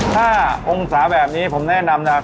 ถ้าองศาแบบนี้ผมแนะนำนะครับ